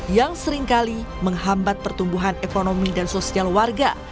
yang seringkali menghambat pertumbuhan ekonomi dan sosial warga